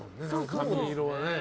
髪色はね。